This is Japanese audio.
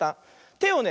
てをね